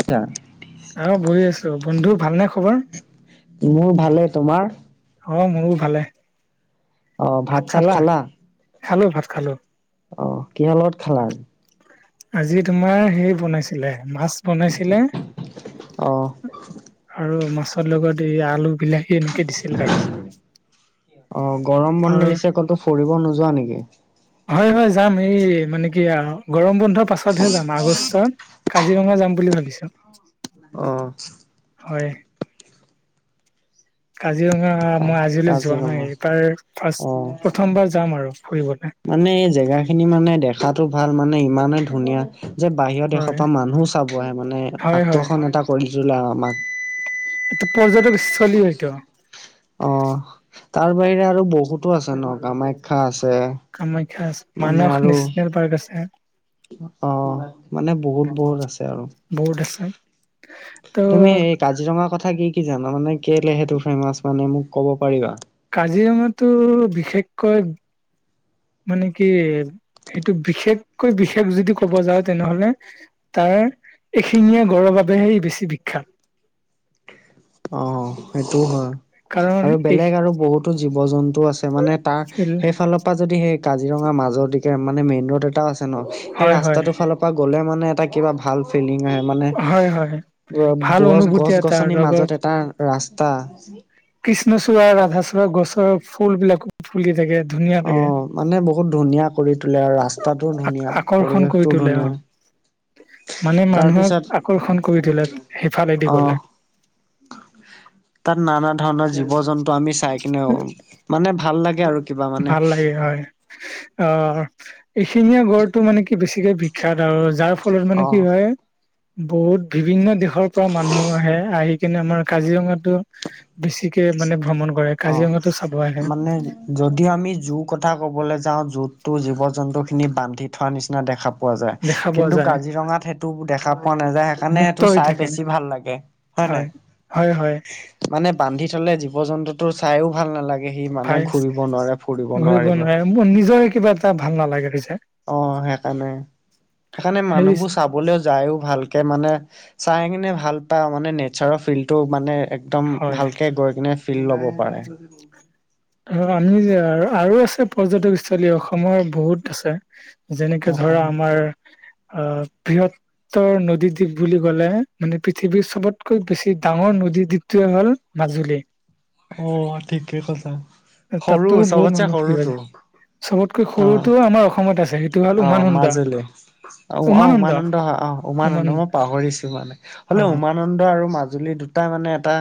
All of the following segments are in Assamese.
এটা অ বহি আছো বন্ধু ভালনে খবৰ। মোৰ ভালে তোমাৰ? অ মোৰ ভালে। অ ভাত চাত খালা। খালো ভাত খালো। অ কিহ ৰলগত খালা। আজি তোমাৰ হেৰি বনাইছিলে মাছ বনাইছিলে। অ আৰু মাছৰ লগত এই আলু বিলাহী, এনেকে দিছিল আৰু- অ গৰম বন আৰু লাগিছে আকতো ফৰিব নোযোৱা নেকি? হয় হয় যাম এই মানে কি গৰম বন্ধৰ পাছতহে যাম আগষ্টত- কাজিৰঙা যাম বুলি ভাবিছো অ হয়। কাজিৰঙা মই আজিলৈ যোৱা নাই কাজিৰঙা এইবাৰ অ ফাৰ্ষ প্ৰথমবাৰ যাম আৰু ফুৰিবলৈ। মানে এই জেগাখিনি মানে দেখাটো ভাল মানে ইমানেই ধুনীয়া। যে বাহিৰৰ দেশৰ হয় পৰা মানুহ চাব আহে মানে হয় হয় আকৰ্ষণ এটা কৰি তলে আৰু আমাক। এইটো পৰ্যটক চলি হয় এইটো অ তাৰ বাহিৰে আৰু বহুতো আছে ন কামাখ্যা, আছে। কামাখ্যা আছে, মানে মানস আৰু নেশচনেল পাৰ্ক আছে। অ' মানে বহুত - বহুত আছে আৰু। বহুত আছে। ত' তুমি এই কাজিৰঙাৰ কথা কি কি জানা মানে কেলে সটো ফেমাচ মানে মোক ক'ব পাৰিবা? কাজিৰঙাতো বিশেষকৈ। মানে কি এইটো বিশেষকৈ বিশেষ যদি ক'ব যা তেনেহলে। তাৰ এশিঙীয়া গঁড়ৰ বাবেহে বেছি বিখ্যাত। অ' সেইটোও হয়। কাৰণ আৰু এই বেলেগ আৰু বহুতো জীৱ জন্তু আছে মানে তাৰ সেইফালৰ। তাৰপৰা যদি সেই কাজিৰঙা মাজৰ দিকে মানে মেইন ৰোড এটাও আছে ন, সেই হয় হয় ৰাস্তাটোৰ ফালৰ পৰা। পৰা গ'লে মানে এটা কিবা ভাল। ফিলিং আহে মানে, হয় হয় ভাল গছ, অনুভূতি এটা গছ-গছনি লগত মাজতে এটা। ৰাস্তা। কৃষ্ণচূড়া আৰু ৰাধাচূড়া গছৰ ফুলবিলাকো ফুলি থাকে ধুনীয়া অ লাগে। মানে বহুত ধুনীয়া কৰি তোলে আৰু ৰাস্তাটোও ধুনীয়া আকৰ্ষণ কৰি পৰিৱেশটোও তোলে অ ধুনীয়া। মানে মানুহক তাৰপিছত আকৰ্ষণ কৰি তোলে সেইফালেদি অ গলে। তাত নানা ধৰণৰ জীৱ-জন্তু আমি চাইকেনেও ভাল লাগে। লগে আৰু। কিবা মানে ভাল লাগে হয়। অ' এশিঙীয়া গঁড়টো মানে কি বেছিকে বিখ্যাত আৰু যাৰ। ফলত মানে অ কি হয়। বহুত বিভিন্ন দেশৰ পৰা মানুহ আহে, আহি কিনে আমাৰ কাজিৰঙাতো। বেছিকে মানে ভ্ৰমণ কৰে, কাজিৰঙাতো চাব আহে। যদিও আমি জোৰ কথা ক'বলৈ যাওঁ, জুতটো জীৱ-জন্তু খিনি বান্ধি থোৱা নিচিনা দেখা পা। পোৱা যায়, দেখা পোৱা কিন্তু যায় কাজিৰঙাত সেইটো দেখা পোৱা নাযায়। সেইকাৰণে মুক্ত সেইটো হৈ চাবলৈ থাকে বেছি ভাল লাগে। হয় নাই? হয়- হয়। মানে বান্ধি থলে জীৱ জন্তুতটো চাইও ভাল নালাগে সি ভাই মানে ঘুৰিব নোৱাৰে, ফুৰিব ঘূৰিব নোৱাৰিব। নোৱাৰে মোৰ নিজৰে কিবা এটা ভাল নালাগে পিছে। অ', সেইকাৰণেই সেই মানুহবোৰ সেইবোৰ চাবলৈ আহে। লৈও যায়, ভালকৈ চাইও ভাল পায়। মানে, প্ৰকৃতিৰ পৰিৱেশটো ভাল লাগে। [unintelligible] একদম হয় ভালকৈ গৈ কেনে ফিল লব পাৰে। অ', অসমৰ আৰু বহুতো পৰ্যটনস্থলী আছে। [unintelligible] যেনেকে ধৰা অসমত। আমাৰ বৃহৎ। মাজুলী নদীদ্বীপ বুলি ক'লে মানে পৃথিৱীৰ চবতকে বেছি ডাঙৰ নদীদ্বীপ। সেইটো হ'ল মাজুলী। অ', ঠিকেই কৈছা, সৰু তাতো বহুত চবতকৈ মানুহ ফুৰিব যায় সৰুটোও। চবতকৈ সৰুটো আমাৰ অসমত আছে সেইটো হ'ল অ', উমানন্দ মাজুলী অ' উমানন্দ উপানন্দ হয় অ'। উমানন্দ নহ, মই পাহৰিছোঁ মানে। অ উমানন্দ আৰু মাজুলী দুয়োটাই মানে এটা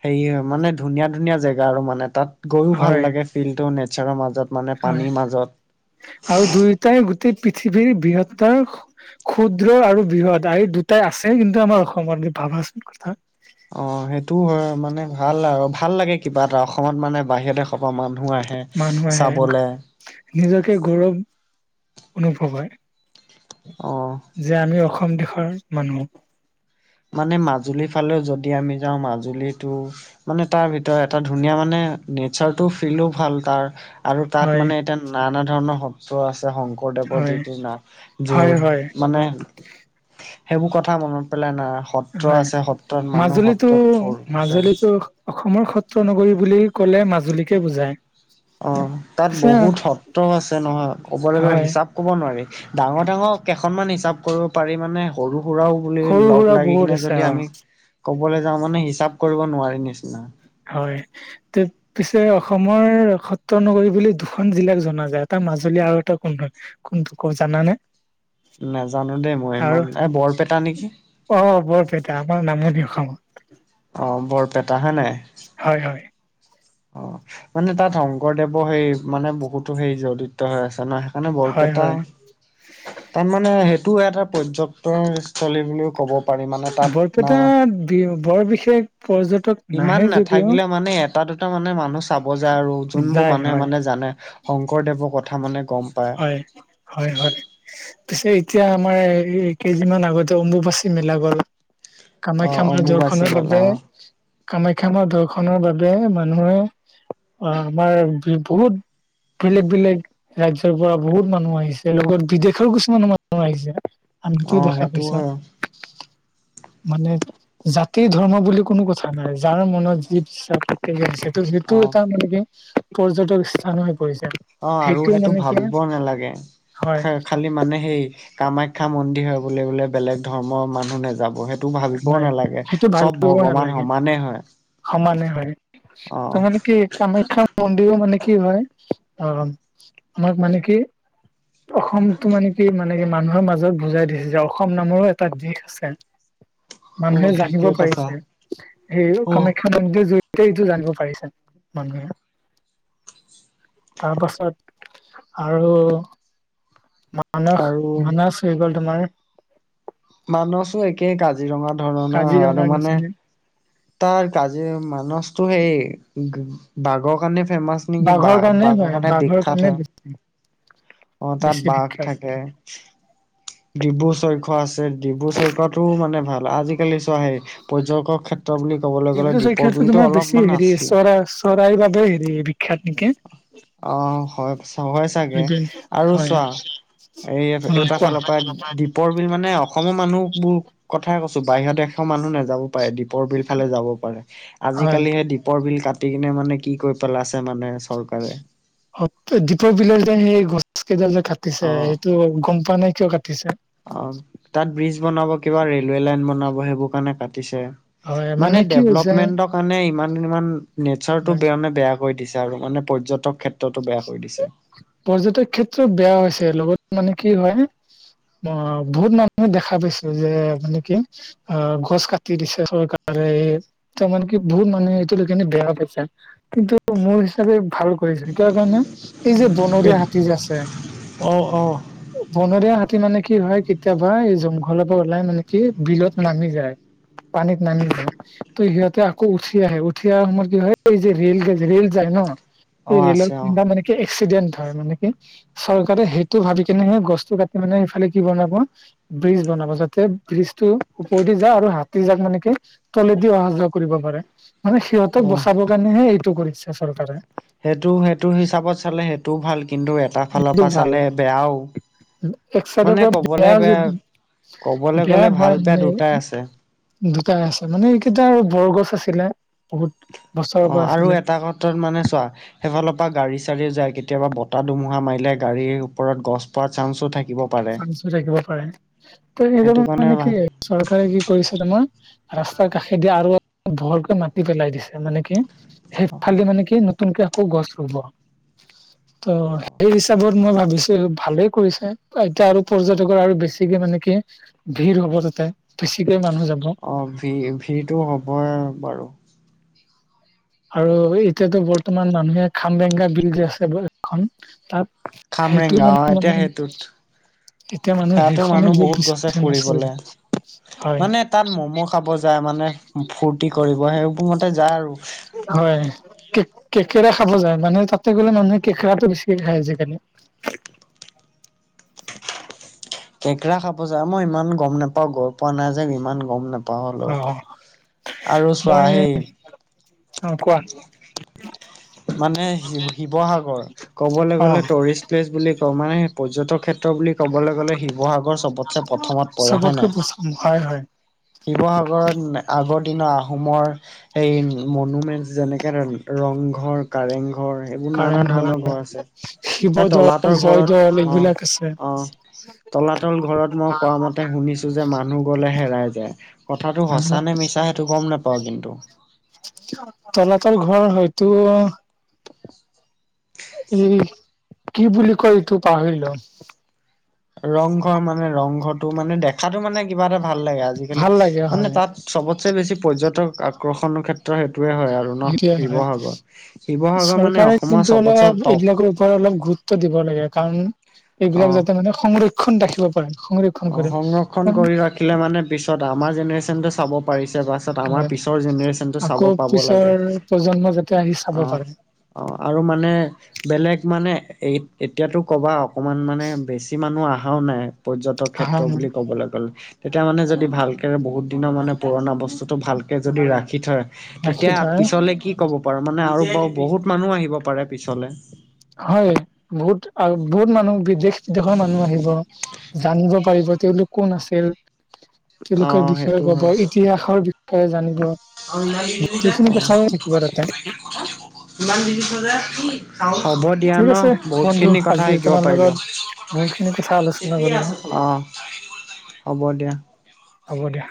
সেৰি হয়। ধুনীয়া ধুনীয়া জেগা আৰু মানে, তাত গৈয়ো ভাল হয় লাগে, ফিলটো বেটচাৰ মাজত হয় পানীৰ মাজত। আৰু দুয়োটাই গোটেই পৃথিৱীৰ বৃহত্ত। ক্ষুদ্ৰ আৰু বৃহৎ দুয়ো আছে কিন্তু আমাৰ অসমত। অ', সেইটোও হয় মানে, ভাল আৰু ভাল লাগে কিবা এটা অসমত বাহিৰ দেশৰ পৰাও মানুহ আহে। মানুহ আহে। চাবলে নিজকে গৌৰৱ অনুভৱ হয় অঁ। যে আমি অসম দেশৰ মানুহ। মানে মাজুলীৰফালে যদি আমি যাওঁ মাজুলীটো মানে, তাৰ ভিতৰত এটা ধুনীয়া মানে নেচাৰটো ফীলো ভাল তাৰ। আৰু তাত হয় মানে এতিয়া নানা ধৰণৰ সত্ৰ আছে শং শংকৰদেৱৰ হয় যিদিনা হয় হয় য'ত মানে সেইবোৰ কথা মনত পেলাই নাৰাখ সত্ৰ হয় আছে সত্ৰত মানুহ। মাজুলীতো সত্ৰত ভুল বুজা মাজুলীতো অসমৰ সত্ৰ নগৰী বুলি ক'লে মাজুলীকে বুজায়। অঁ, তাত পিছে বহুত সত্ৰও আছে নহয়। ক'বলে গ'লে হয় হিচাপ ক'ব নোৱাৰি। ডাঙৰ ডাঙৰ কেইখনমান হিচাপ কৰিব পাৰি। মানে সৰু সুৰাও বুলি সৰু সুৰা লগ লাগি বহুত কিনে আছে যদি অ আমি ক'বলে যাওঁ মানে হিচাপ কৰিব নোৱাৰি নিচিনা। হয়, তেত পিছে অসমৰ সত্ৰ নগৰী বুলি দুখন জিলাক জনা যায়। এটা মাজুলী আৰু এটা কোন হয়? কোনটোক কয় জানা নে? নাজানো দেই মই সিমান এ বৰপেটা নেকি? অঁ বৰপেটা আমাৰ নামনি অসমত। অঁ বৰপেটা হয় নাই? হয়, হয়। অ, মানে তাত শংকৰদেৱৰ হেৰি মানে বহুতো সেই জড়িত হৈ আছে ন'। মানে হয় বৰপেট হয় তাত মানে, সেইটো এটা পৰ্য্যটন স্থলী বুলিও ক'ব পাৰি মানে তাত না বৰপেটাত বি বৰ বিশেষ পৰ্যটক সিমান নাহে যদিও নাথাকিলেও মানে এটা দুট্ এটা মানে মানুহ চাব যায় আৰু যোনবোৰ যায় মানুহে হয় মানে জানে শংকৰদেৱৰ কথা মানে গম পায়। হয়, হয়। পিছে এতিয়া আমাৰ এ এই কেইদিনমান আগতে অম্বুবাচী মেলা গ'ল। অ' কামাখ্যা মাৰ অম্বুবাচী দৰ্শনৰ মেলা বাবে অ'। কামাখ্যা মাৰ দৰ্শনৰ বাবে মানুহে অ আমাৰ বি বহুত বেলেগ বেলেগ ৰাজ্য ৰাজ্যৰ পৰা বহুত মানুহ আহিছে, লগত বিদেশৰো কিছুমান মানুহ আহিছে। আমিটো অ' দেখা সেইটো হয় পিছত মানে, জাতিৰ ধৰ্ম বুলি কোনো কথা নাই। যাৰ মনত যি বিশ্বাস আছে সেইটো যিটো অ' এটা মানে কি? পৰ্যটক স্থান হৈ পৰিছে। অঁ আৰু সেইটো মানে কি হয় ভাৱিবও নালাগে। হয় খে খাত বুলি মানে সেই কামাখ্যা মন্দিৰ হয় বুলি ক'লে বেলেগ ধৰ্মৰ মানুহ নাযাব সেই টো ভাৱিবও নালাগে। সেইটো ভাল চব কৰিব ভগৱান নালাগে সমানে হয়। অ' তাৰমানে কি কামাখ্যাত মন্দিৰো মানে কি হয়? অঁ আমাক মানে কি? অসমটো মানে কি মানে, কি মানুহৰ মাজত বুজাই দিছে যে অসম নামৰো এটা দিশ আছে। মানুহে অ' জানিব ঠিকে কৈছা। পাৰিছে। সেয়ে অ' কামাখ্যা কেনেকে জৰিত সেইটো জানিব পাৰিছে মানুহে। তাৰপাছত আৰু মা মানস আৰু মানস হৈ গ'ল তোমাৰ মানসো একেই কাজিৰঙা ধৰণৰ হয় আৰু কাজিৰঙাৰ মানে নিচিনা তাৰ কাজিৰ মানসটো সেই বাঘৰ কাৰণে ফেমাচ নেকি বাঘৰ বা কাৰণে বাঘৰ হয় কানে কাৰণে বিখ্যাত হ বেছি অ তাত বেছি বাঘ বিখ্যাত। থাকে ডিব্ৰু চৈখোৱা আছে ডিব্ৰু চৈখোৱাটো মানে ভাল আজিকালি চোৱা হেই পৰ্যকৰ ক্ষেত্ৰ বুলি ক'বলৈ গ'লে ডিব্ৰু দ্বীপৰ চৈখোৱাটো বিলটো তোমাৰ বেছি অলপমান হেৰি আছিলে চৰা চৰাইৰ বাবে হেৰি বিখ্যাত নেকি অ হয়পছ হয় চাগে আৰু হয় চোৱা এই এ অ এটাৰ কোৱা ফালৰ পৰা ডিপ পৰ বিল মানে অসমৰ মানুহবোৰ কথাই কৈছো বাহিৰৰ দেশৰ মানুহ নেযাব পাৰে ডিপ পৰ বিল ফালে যাব পাৰে হয়। আজিকালি সেই দ্বীপৰ বিল কাটি কিনে মানে কি কৰি পেলাইছে মানে চৰকাৰে দীপৰ বিল সেই গছ কেইডাল যে অ কাটিছে সেইটো গম পোৱা নে কিয় কাটিছে অ তাত ব্ৰিজ বনাব কিবা ৰেলৱে লাইন বনাব সেইবোৰ কাৰণে কাটিছে হয় মানে কি হৈছে ডেভলপমেন্টৰ কাৰণে ইমান ইমান নেচাৰটো হয় বেয়ানে বেয়া কৈ দিছে আৰু মানে পৰ্যটক ক্ষেত্ৰতো বেয়া কৰি দিছে পৰ্যটক ক্ষেত্ৰত বেয়া হৈছে লগত মানে কি হয় ম বহুত মানুহে দেখা পাইছে যে মানে কি অ গছ কাটি দিছে চৰকাৰে তাৰমানে কি বহুত মানুহে এইটো লৈকেনে বেয়া পাইছে কিন্তু মোৰ হিচাপে ভাল কৰি কিহৰ কাৰণে এই যে বনৰীয়া হাতী যে আছে অ অ বনৰীয়া হাতী মানে কি হয় কেতিয়াবা এই জংঘলৰ পৰা ওলাই মানে কি বিলত নামি যায় পানীত নামিলো ত সিহঁতে আকৌ উঠি আহে উঠি অহাৰ সময়ত কি হয় এই যে ৰেল গ ৰেল যায় ন অ এই ৰেলৰ আছে অ খুন্দা মানে কি এক্সিডেণ্ট হয় মানে কি চৰকাৰে সেইটো ভাবি কেনে হে গছটো কাটি মানে সিফালে কি বনাব ব্ৰিজ বনাব যাতে ব্ৰিজটো ওপৰেদি যা আৰু হাতী যাক মানে কি তলেদি অহা যোৱা কৰিব পাৰে মানে অ সিহঁতক বচাব কাৰণেহে এইটো কৰিছে চৰকাৰে সেটো সেইটো হিচাপত চালে সেইটোও ভাল কিন্তু তা ফালৰ এইটো পৰা ভাল চালে বেয়াও এক চাইডৰ মানে পৰা কবলে বেয়া যদি কবলে বেয়া গ'লে ভাল হয় বেয়া মানে দুটাই আছে দুটাই আছে মানে এইকেইটা আৰু বৰগছ আছিলে বহুত বছৰৰ অঁ পৰা আৰু আছিলে এটা কটত মানে চোৱা সেইফালৰ পা গাড়ী চাৰি যায় কেতিয়াবা বতাহ ধুমুহা মাৰিলে গাড়ীৰ ওপৰত গছ পৰা চান্সো থাকিব পাৰে চান্সু থাকিব পাৰে ত সেইটো কাৰণে সেইকানে কি ভাল চৰকাৰে কি কৰিছে তোমাৰ ৰাস্তাৰ কাষেদি আৰু ভৰকৈ মাতি পেলাই দিছে মানে কি সেইফালে মানে কি টোনকে আকৌ গছ ৰুব ত' সেই হিচাপত মই ভাবিছো ভালেই কৰিছে এতিয়া আৰু পৰ্যটকৰ আৰু বেছিকে মানে কি ভিৰ হব তাতে বেছিকে মানুহ যাব অঁ ভি ভিৰটো হ'বই বাৰু আৰু এতিয়াতো বৰ্তমান মানুহে খাম বেংগা বিল যে আছে এখন তাত সেইটো খামৰেংগা অ মানে এতিয়া মানে সেইটোত এতিয়া মানুহ সেয়াতো বহুত সেইখনত গৈছে ফেমাছ ফুৰিবলে হয় মানে তাত ম'ম' খাব যায় মানে ফূৰ্তি কৰিব সেইবুমতে যায় আৰু হয় কে কেকেৰা খাব যায় মানে তাতে গ'লে মানুহে কেকেৰাটো বেছিকে খাই আজি কালি কেঁকৰা খাব যা মই ইমান গম নাপাও গ পোৱা নাই যে ইমান গম নাপ পাহলো অ আৰু চোৱা হেই- অঁ কোৱা। মানে শিৱ শিৱসাগৰ ক'বলৈ অ গ'লে টৰিষ্ট প্লেচ বুলি কওঁ মানে পৰ্যটক ক্ষেত- ত্ৰ বুলি ক'বলৈ গ'লে শিৱসাগৰ চবতচে প্ৰথমত পৰে হয় চবতকৈ নাই। পচন্দ হয় হয় শিৱসাগৰত আগৰ দিনৰ আহোমৰ- এই মনুমেন্ট যেনেকে ৰংঘৰ- কাৰেং ঘৰ সেইবোৰ নানা কাৰেংঘৰ ধৰণৰ ঘৰ আছে। তাৰ শিৱদৌল তলাতৰ ঘৰত জয়দৌল অঁহ এইবিলাক আছে অঁহ। তলাতল ঘৰত মই কোৱা মতে শুনিছো যে মানুহ গলে হেৰাই যায়। কথাটো সঁচা মানুহ নে মিছা সেইটো গম নেপাওঁ কিন্তু। তলাতৰ ঘৰ হয়তো- এই কি বুলি কয় এইটো পাহৰিলো। ৰংঘৰ মানে ৰংঘৰটো মানে দেখাতো মানে কিবা এটা ভাল লাগে আজিকালি ভাল লাগে মানে হয় তাত- চবতচে বেছি পৰ্যটক আকৰ্ষণৰ ক্ষেত- ত্ৰ সেইটোৱে হয় আৰু ন সেইটোৱে হয় শিৱসাগৰ। শিৱসাগৰ মানে চৰকাৰে অসমৰ চবতে টপ। ত্ব দিব লাগে কাৰণ, এইবিলাক অ যাতে মানে সংৰক্ষণ ৰাখিব পাৰে সংৰক্ষণ কৰে। কাৰণ, খিলে মানে পিছত আমাৰ জেনেৰেশ্যনটোৱে চাব- পাৰিছে পাছত আমাৰ হয় পিছৰ জেনেৰেশ্যনটো চাব আকৌ পাব পিছৰ লাগে। প্ৰজন্ম যাতে আহি চাব পাৰে। অঁ আৰু মানে বেলেগ মানে এতিয়াতো কবা- অকমান মানে বেছি মানুহ আহাও নাই পৰ্যটক আহা ক্ষেত্ৰ বুলি কবলে গ'লে- এতিয়া মানে যদি ভালকে বহুত দিনৰ মানে পুৰণা বস- তো ভালকে যদি ৰাখি থয় ৰাখি তেতিয়া থয় পিছলে কি কব? পাৰ মানে আৰু ব বহুত মানুহ আহিব পাৰে পিছলে- হয় বহুত আৰু বহুত মানুহ বিদেশ বিদেশৰ মানুহ আহিব। জানিব পাৰিব তেওঁলোক কোন আছিল? অ তেওঁলোকৰ বিষয়ে সেইটো ক'ব ইতিহাসৰ বিষয়ে জানিব। গোটেইখিনি হয় কথাইে থাকিব তাতে। [unintelligible] হ'ব দিয়া ঠিক আছে ন' বহুত বন্ধু খিনি কথা আজি শিকিব তোমাৰ পাৰিলো, লগত বহুত খিনি কথা আলোচনা কৰিলো অঁ'। [inaudible] হ'ব দিয়া। হ'ব দিয়া।